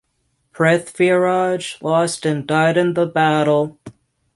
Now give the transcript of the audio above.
Prithviraj lost and died in the battle.